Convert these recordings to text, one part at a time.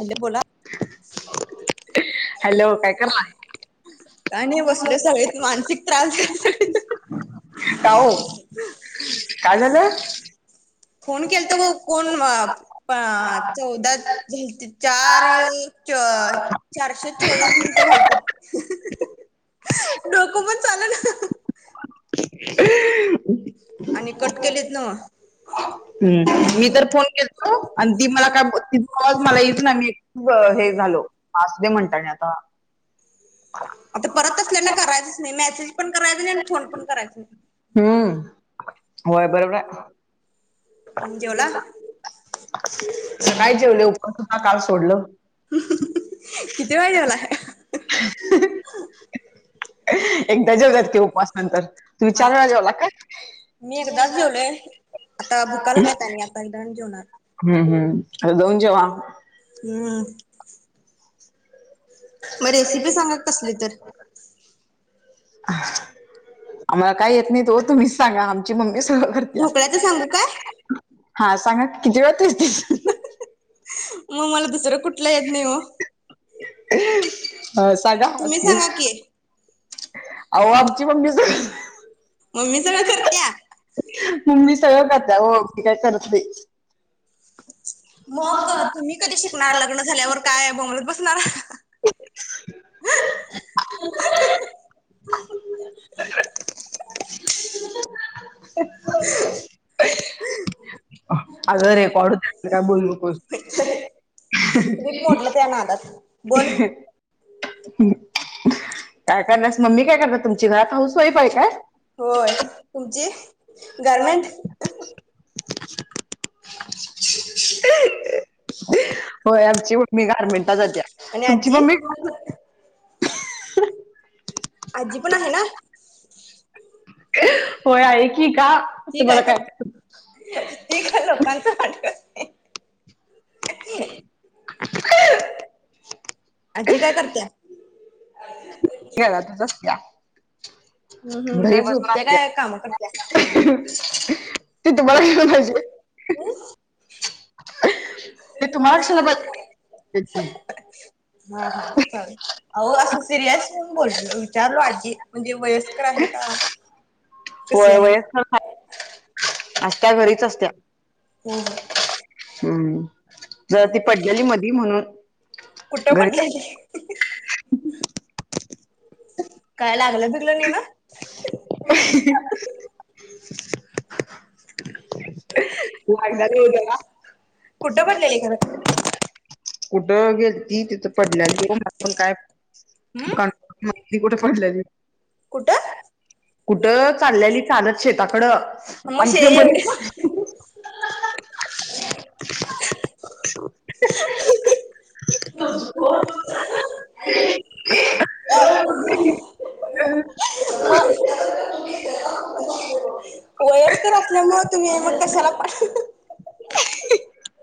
Hello बोला. Hello काय करा? काय नाही बसले सगळे मानसिक त्रास दे. [unintelligible] का हो काय झालं? फोन केलाता गं कोण वा पा चौदा झालती चार हे च चारशे चोवीस मिनटं झालतीत डोकं पण चालं ना. [unintelligible] आणि कट केलेत नवं. मी तर फोन केलतो आणि ती मला काय तिचा आवाज मला येच नाही मी खूप हे झालो असू दे म्हणताय आता. आता परत असल्याना करायचंच नाही मेसेज पण करायचं नाही आणि फोन पण करायचं नाही. हम्म होय बरोबर आहे. नाही जेवला सकाळी जेवले उपवास होता काल सोडलं. किती वेळा जेवला? एकदा जेवतात की उपवास नंतर. हा चार वेळा जेवला काय मी एकदाच जेवले आता भुका लागल्या त्यांनी आ [unintelligible] जेवणार. हम्म हम्म जाऊन जेवा. हम्म म रेसिपी सांगा कसली तर. आम्हाला काय येत नाहीत ओ तुम्हीच सांगा आम मची मम्मी सगळं करत्या ढोकळ्याच सांगू काय हा सांगा कि जेवतेच ती. म मला दुसरं कुठलं येत नाही ओ. हा, सांगा तुम्ही सांगा कि. आहो आमची मम्मी मम्मी सगळं तर करत्या मम्मी सगळं करत्या ओ मी काय करत नाही. मग तुम्ही कधी शिकणार लग्न झाल्यावर काय बोंबलत बसणारा? [inaudible] [inaudible] [inaudible] [inaudible] अगं रेकॉड होतंय असं काय बोलू नकोस. [unintelligible] मोडलं त्या नादात. [inaudible] बोल काय कराल्यास मम्मी काय करतात तुमची? घरात हाऊस वाईफ आहे काय? होय तुमची गारमेंट. होय आमची मम्मी गारमेंटला जात्या. आणि तुमची आजी मम्मी [unintelligible] आजी पण आहे ना? होय आहे की का? ती काय करत्या? ती काय लोकांच [unintelligible] [inaudible] आजी काय करत्या? घरातच बसत्या. हम्म हम्म घरी काय बसून झोपत्या काय काम करत्या असत्या. ते तुम्हाला कशाला पाहिजे? हम्म? ते तुम्हाला कशाला [unintelligible] हां हां चालेल, अहो असं सिरअस बोललो विचारलो आजी म्हणजे वयस्कर आहे का? कशी आहे? [unintelligible] असत्या घरीच असत्या. हो हो. हम्म जर ती पडल्याली मधी म्हणून कुठं घरी पडलेली? [inaudible] [inaudible] काय लागलं बिगलं नाही ना? [inaudible] [inaudible] कुठं पडलेली खरं कुठं गेलती तिथं पडल्याली हम्म [unintelligible] [unintelligible] कुठे पडल्याली? कुठं? कुठं चालल्याली चालत शेताकडं मग आणि शे तिथं एवढे मधेच [unintelligible] [inaudible] वयस्कर असल्यामुळं तुम्ही मग कशाला [unintelligible] [inaudible]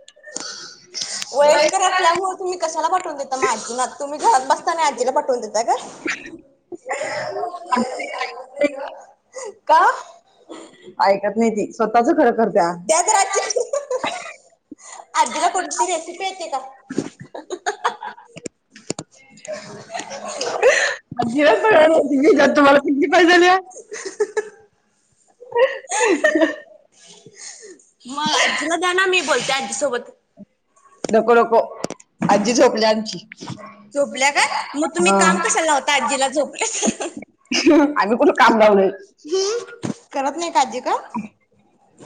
वयस्कर असल्यामुळे तुम्ही कशाला पाठवून देता मग आजीना तुम्ही घरात बसताना आजीला पाठवून दे [inaudible] का? ऐकत नाही ती स्वतःच खरं करत्या. द्या तर आजी आजीला कोणती रेसिपी येते का? [inaudible] आजीला सगळ्या रेसिपी [unintelligible] तुम्हाला किती [unintelligible] [unintelligible] मग आजीला द्याना मी बोलते आजीसोबत. नको नको आजी झोपल्या आमची झोपल्या का मग तुम्ही हा काम कशाला लावता आजीला झोपल्या तर आम्ही कुठं काम लाव लय. हम्म करत नाही का आजी काम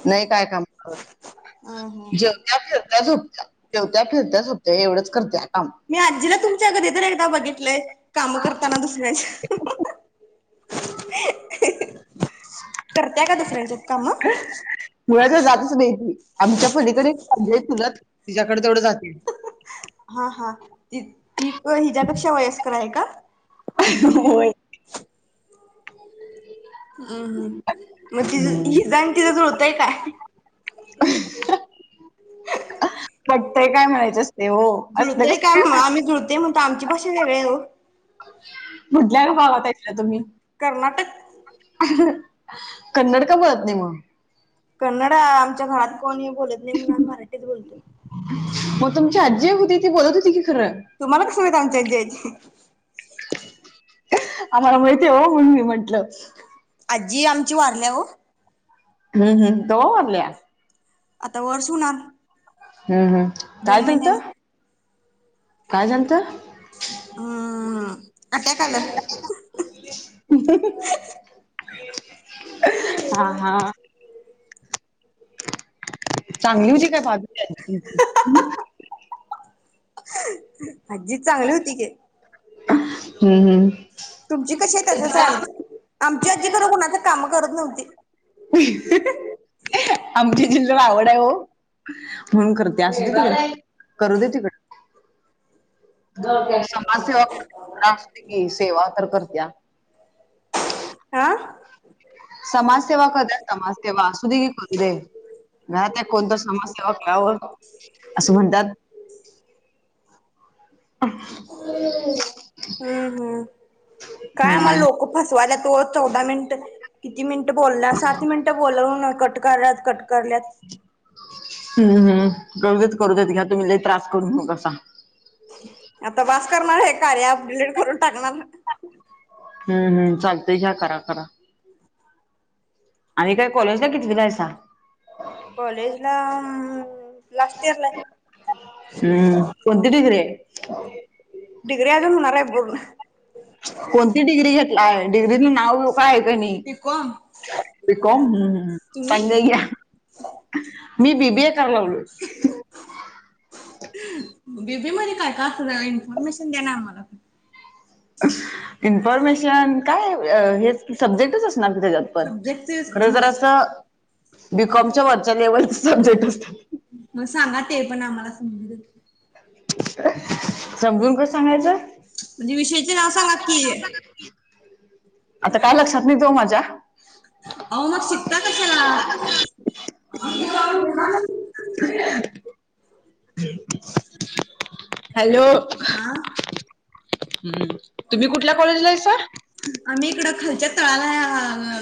नाही काय काम करत. हम्म हम्म जेवत्या फिरत्या झोपत्या जेवत्या फिरत्या झोपत्या एवढंच करतेया काम. मी आजीला तुमच्या घरी तर एकदा बघितलंय काम करताना दुसऱ्याच्या. करत्या कां दुसऱ्या इथं काम? मुळा तर जातच नाही ती आमच्या पलीकडे आजी तुला तुझ्याकड तेवढं जाते. हा हा ती तर हिच्या पेक्षा. खरं हाय कां होय [inaudible] हम् मग तिज हम्म. हिज आणि तिच जुळतय काय? [unintelligible] [inaudible] पटतंय काय म्हणायचं असते हो असलं जुळतय कसं काय आम्ही जुळतय म्हणतो आमची भाषा वेगळी आहे हो मधल्या विभागात आहे का तुम्ही. कर्नाटक कन्नड का बोलत नाही मग. कन्नड आमच्या घरात कोणी बोलत नाही. मी अन माय मराठीच बोलते. मग तुमची आजी होती ती बोलत होती की खरं तुम्हाला कसं माहिती की आमच्या इथं यायची आम्हाला माहित आहे हो म्हणून मी म्हंटलं. आजी आमची वारल्या हो. हह कवा वारल्या? आता वर्ष होणार. हम्म हम्म. काय दोन झालत महिन्यान काय झालत हम्म अटॅक आला. [unintelligible] हा हा चांगली होती का? बाजूची आजी तुमची. आज्जी चांगली होती की. हम्म हम्म तुमची कशी आहे तसंच आहे आम आमची आजी खरं तर कुणाच काम करत नव्हती. [unintelligible] आमच्या जिजला आवड आहे हो म्हणून करते असू दे तिकडे करू दे तिकड समाजसेवा करते की असुदे की की सेवा तर करत्या. आ समाजसेेवा करते समाजसेेवा असुदे की करूदे. राहत कोणत समाजसेवा घ्यावं असं म्हणतात. हम्म हम्म काय म हम्म लोक. फसवायल्यात हो चौदा मिनिट किती मिनिटं बोला सात मिनिटं बोलवून कट करल्यात कट करल्यात हम् हम्म करू देत करुदे तिला तुम्ही लय त्रास करून घेऊ नकासा. आता बास करणार हे कार्य आप डिलीट करून टाकणार. हम्म हम्म चालतंय घ्या करा करा. आणी काय कॉलेजला कितवीला हायसा? कॉलेजला लास्ट इयरला हम्म आहे. कोणती डिग्री आहे? डिग्री आजून होनार आहे पूर्ण. कोणती डिग्री घेतलाय डिग्रीच नाव बी कॉम बी काँम तुम्ही [unintelligible] मी बीबीए कराय लागलोय. बीबी मध्ये काय काय अस इन्फॉर्मेशन दे्णार आम्हाला? इन्फॉर्मेशन काय हेच सब्जेक्टच असणार कि त्याच्यात पण. सब्जेक्ट खर आम्हाला जरासं बीकॉमच्या वरच्या लेवलचे सब्जेक्ट असतात. मग सांगा ते पण आम्हाला. समजून कस सांगायचं? म्हणजे विषयचे नाव सांगा. की. आता काय लक्षात नाही हो माझ्या. [inaudible] अहो मग शिकता कशाला [unintelligible] [unintelligible] हॅलो. हा हम्म तुम्ही कुठल्या कॉलेजला आहेस? आम्ही इकड खालच्यात तळाला या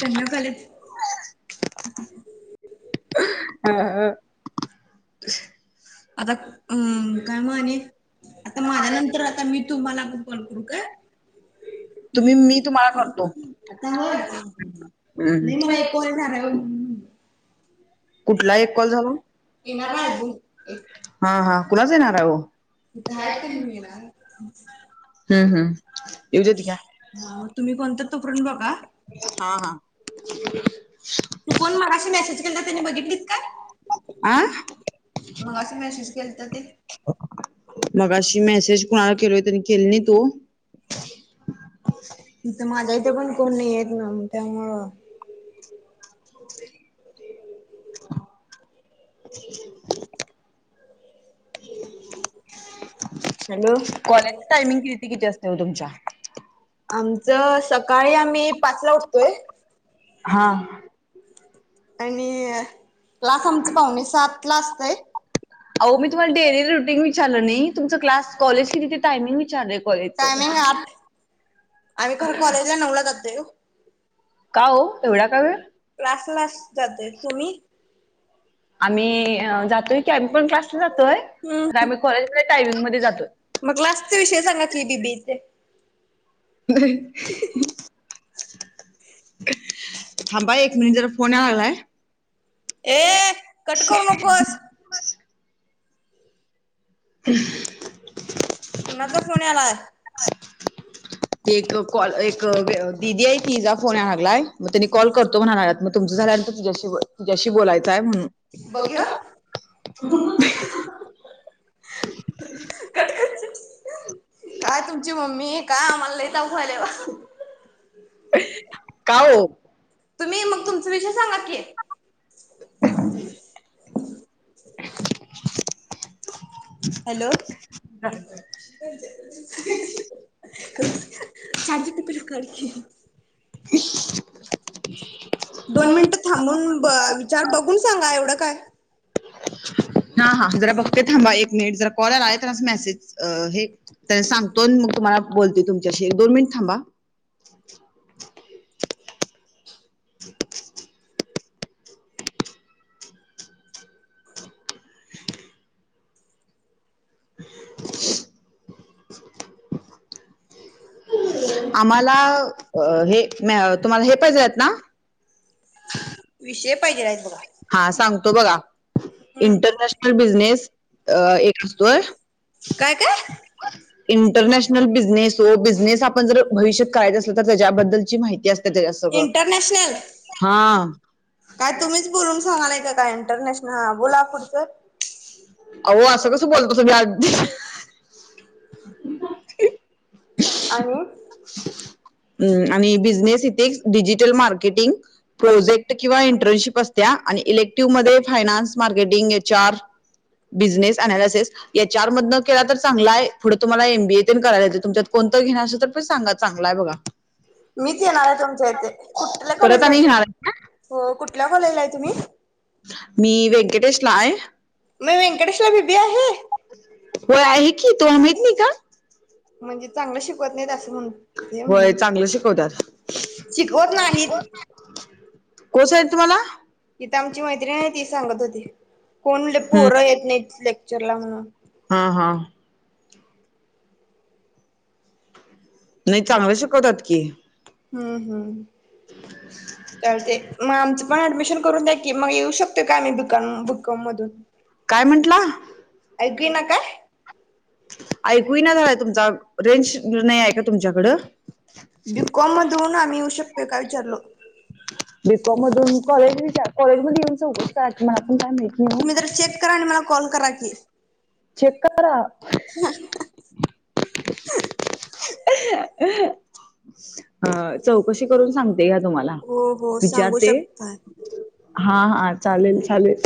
कन्या काँले हा हा. [unintelligible] आता हम् काय मग आणी? आता माझ्या नंतर आता मी तुम्हाला कॉल करू काय? तुम्ही हम्म मी तर तुम्हाला करतो. आवडतो आतोय आवाज. [unintelligible] नाही मला हम्म एक कॉल झाल्याव कुठला आहे एक को कॉल येणार आहे झाला? अजून [unintelligible] हा हा कुणाच येणार आहे ओ? इथं आहेत का नाही येणार हा हम्म हम्म येऊ देत घ्या मग तुम्ही कोणत तो परत बघा. हा- हा. तू कोन मगाशी मेसेज केला त्यांनी बघितलीत काय? आ मगाशी मेसेज केल तेनी मगाशी मेसेज कुणाला केलोय तेनी केली नाहीत ओ. इथे माझ्या इथे पण कोण नाहीयेत ना मग त्यामुळं. [inaudible] [unintelligible] हॅलो! कॉलेजची टायमिंग किती किती असते ओ तुमच्या? आमचं सकाळी आम्ही पाचला उठतोय हा. आणि क्लास आमचं पाउणे सात ला असतंय. अहो मी तुम्हाला डेली रुटीन विचारलं नाही तुमचा क्लास कॉलेजची तिथे टाइमिंग विचारले. टायमिंग आठ आम्ही खरं कॉलेजला नऊला जातोय ओ. का ओ एवढा का वेळ? क्लास लास जाते तुम्ही? आम्ही जातोय की आम्ही पण क्लासला जातोय खर आम्ही कॉलेजमध्ये टायमिंग मध्ये जातोय. मग लास्टचे विषय सांगत की बीबीएचे. [unintelligible] थांबा एक मिनिट जरा फोन याय लागलाय. ए कट करू नकोस. हम्. कुणाचा फोन यालाय? ती एक कॉल एक दिदी आहे तिचा फोन या लागलाय म तेनी कॉल करतो म्हणा लागल्यात मग तुमचं झाल्यानंतर तिच्याशी तिच्या्याशी बोलायचं आहे म्हणून. [unintelligible] बघ ह्यो कट कर चल. काय तुमची मम्मी, काय आम्हाला लय ताप व्हायलाय बाबा का? हो. तुम्ही मग तुमचा विषय सांगा की. [inaudible] हॅलो. [unintelligible] [inaudible] दोन मिनिटं थांबून बघ विचार बघून सांगा, एवढं काय. हां हां, जरा बघते थांबा एक मिनिट जरा कॉल या लागलाय त्यांनासनी मेसेज हे सांगतो आणि तुम्हाला बोलते तुमच्याशी एक दोन मिनिट थांबा. [inaudible] [inaudible] आम्हाला हे तुम्हाला हे पाहिजे आहेत ना? विषय पाहिजेल आहेत बघा. हा सांगतो बघा. इंटरनॅशनल बिझनेस अ एक असतोय. काय काय? इंटरनॅशनल बिझनेस ओ, बिझनेस आपण जर भविष्यात करायचा असेल, तर त्याच्याबद्दलची माहिती अस [unintelligible] सगळं इंटरनॅशनल हां. काय तुम्हीच बोलून सांगालाय का काय, इंटरनॅशनल हां बोला पुढचं. आओ असं कसं बोलता तुम्ही? [unintelligible] आणि- अं आणि business ethics digital marketing, project किंवा इंटर्नशिप असत्या आणि इलेक्टिव्ह मध्ये finance marketing, H R, business, analysis या चारमधनं केला तर चांगलाय, पुढे तुम्हाला एमबीए तेन करायला येतंय, तुमच्यात कोणतर घेणार असेल तर पण सांगा चांगलं हाय बघा. मीच येणार आहे. तुमच्या इथे कुठल्या परत कॉलेजला आणि आहे. घेणार का? कुठल्या? कॉलेजला आहे तुम्ही. मी व्यंकटेशला आहे. म व्यंकटेश्वला बी बी आहे? हो आहे की, तुला माहित नाही का? म्हणजे चांगलं शिकवत नाहीत असं म्हण होय म्हण चांगलं शिकवतात शिकवत नाहीत. कोण सांगितलं तुम्हाला? हित आमची मैत्रीण आहे ती सांगत होती. कोण हम्म पोरं येत नाही लेक्चरला म्हणून. हा हा. नाही चांगलं शिकवतात की. हम्म हम्म चालतय, म आमचं पण ऍडमिशन करून द्या कि. मग येऊ शकतो काय, [unintelligible] बीकॉम मधून? काय म्हंटला? ऐकू येईना काय? ऐकू ना झाला तुमचा रेंज नाही आहे का तुमच्याकडं? बिकॉम मधून आम्ही येऊ शकतोय काय विचारलो. बीकॉम मधून कॉलेजमध्ये विचारा कॉलेजमध्ये येऊन चौकशी करा मला पण काय माहित नाही तुम्ही जरा हो चेक करा आणि मला कॉल करा की. चेक करा. [inaudible] [inaudible] अ चौकशी करून सांगते का तुम्हाला. हो हो सांगू विचारते. शकता. हा हा चालेल चालेल.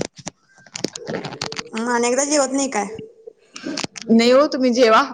म अनेकदा जेवत नाही काय? नाही हो तुम्ही जेवा.